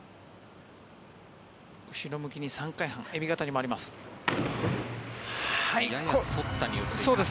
後ろ向きに３回半エビ型に回ります。